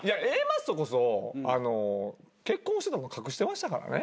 Ａマッソこそ結婚してたの隠してましたからね。